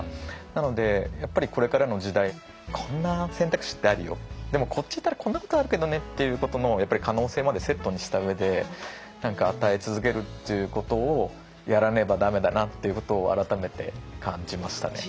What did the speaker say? なのでやっぱりこれからの時代こんな選択肢ってあるよでもこっち行ったらこんなことあるけどねっていうことのやっぱり可能性までセットにした上で何か与え続けるっていうことをやらねば駄目だなっていうことを改めて感じましたね。